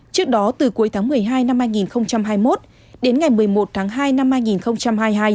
trước đó từ cuối tháng một mươi hai năm hai nghìn hai mươi một đến ngày một mươi một tháng hai năm hai nghìn hai mươi hai